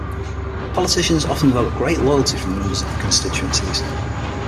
Politicians often develop great loyalty from members of their constituencies.